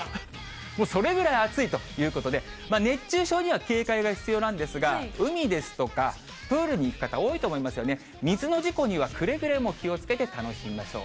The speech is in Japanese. それぐらい暑いということで、熱中症には警戒が必要なんですが、海ですとかプールに行く方、多いと思いますよね、水の事故にはくれぐれも気をつけて楽しみましょう。